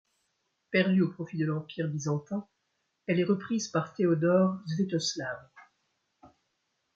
Perdue au profit de l'Empire byzantin, elle est reprise par Théodore Svetoslav.